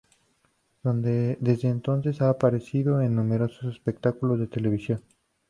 Desde entonces, ha aparecido en numerosos espectáculos de televisión.